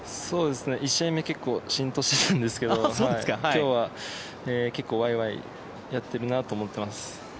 １試合目結構シーンとしていたんですけど今日は結構ワイワイやっているなと思っています。